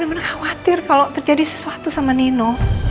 saya bener bener khawatir kalau terjadi sesuatu sama nino